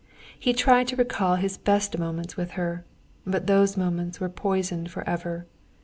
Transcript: He tried to recall his best moments with her, but those moments were poisoned forever.